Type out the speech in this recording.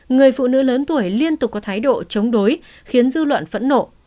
người phụ nữ lớn tuổi liên tục có thái độ chống đối khiến dư luận phẫn nộ